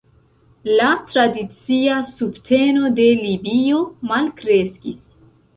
La tradicia subteno de Libio malkreskis.